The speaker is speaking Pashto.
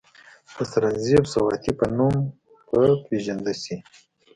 د سرنزېب سواتي پۀ نوم پ ېژندے شي،